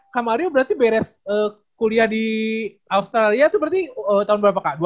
kamalrio berarti beres kuliah di australia tuh berarti tahun berapa kak